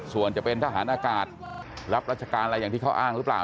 ส่วนจะเป็นทหารอากาศรับรัชการอะไรอย่างที่เขาอ้างหรือเปล่า